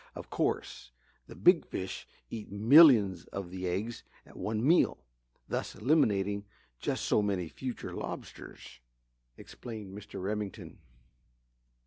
Of course, the big fish eat millions of the eggs at one meal, thus eliminating just so many future lobsters," explained Mr. Remington.